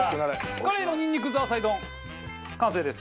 カレイのにんにくザーサイ丼完成です。